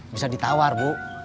bisa ditawar bu